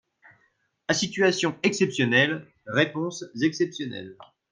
À situation exceptionnelle, réponses exceptionnelles.